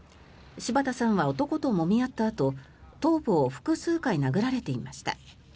柴田さんは男ともみ合ったあと頭部を複数回殴られていました。